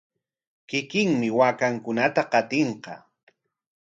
Kikinmi waakankunata qatiykan.